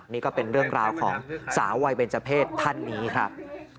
นี่ก็เป็นเรื่องราวของสาววัยเบนเจอร์เพศท่านนี้ครับ